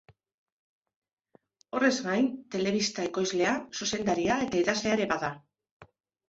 Horrez gain, telebista ekoizlea, zuzendaria eta idazlea ere bada.